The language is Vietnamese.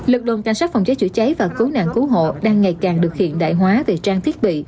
lực lượng cảnh sát phòng cháy chữa cháy và cứu nạn cứu hộ đang ngày càng được hiện đại hóa về trang thiết bị